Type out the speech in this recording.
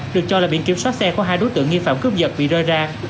được cho là biển kiểm soát xe của hai đối tượng nghi phạm cướp giật bị rơi ra